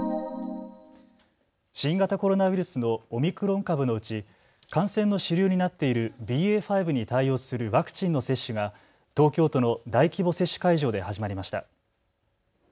新型コロナウイルスのオミクロン株のうち、感染の主流になっているＢＡ．５に対応するワクチンの接種が東京都の大規模接種会場で始まりました。